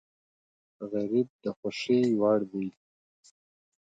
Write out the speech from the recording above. غریب د خوښۍ وړ دی